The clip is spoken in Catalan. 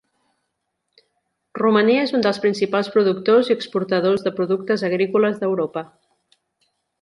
Romania és un dels principals productors i exportadors de productes agrícoles d'Europa.